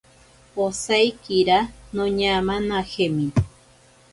Osaikira noñamanajemi.